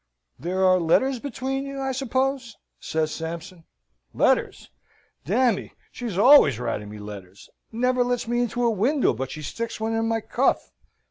"There are letters between you, I suppose?" says Sampson. "Letters! Dammy, she's always writing me letters! never lets me into a window but she sticks one in my cuff.